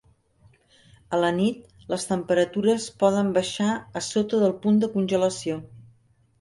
A la nit, les temperatures poden baixar a sota del punt de congelació.